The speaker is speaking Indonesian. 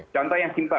contoh yang simpel